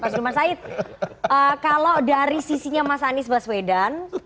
pak sulman said kalau dari sisinya mas anies baswedan